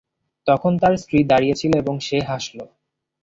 তখন তার স্ত্রী দাঁড়িয়েছিল এবং সে হাসল।